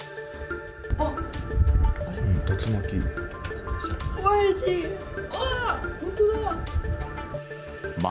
あっ、竜巻。